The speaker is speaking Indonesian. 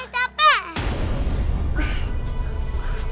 sama aku jadi capek